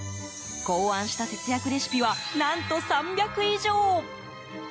考案した節約レシピは何と３００以上。